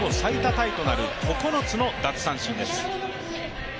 タイとなる９つの奪三振です。